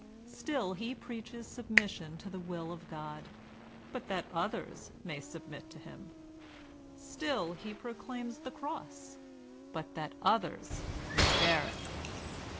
Still he preaches submission to the will of God — but that others may submit to him I Still he proclaims the Cross — but that others may bear it.